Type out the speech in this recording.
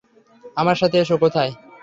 আমার সাথে এসো, - কোথায়?